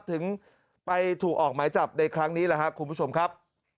ถึงไปถูกออกหมายจับในครั้งนี้แหละครับคุณผู้ชมครับ